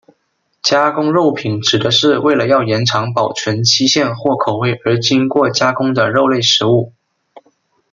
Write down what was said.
加工肉品指的是为了要延长保存期限或口味而经过加工的肉类食物。